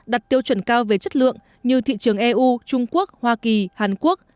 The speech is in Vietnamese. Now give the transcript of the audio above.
đặt tiêu chuẩn cao về chất lượng như thị trường eu trung quốc hoa kỳ hàn quốc